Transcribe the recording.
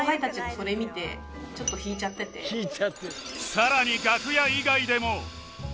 さらに楽屋以外でも